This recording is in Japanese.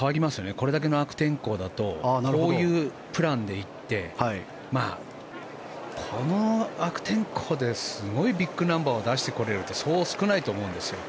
これだけの悪天候だとこういうプランで行ってこの悪天候ですごいビッグナンバーを出してこれるってそう少ないと思うんです。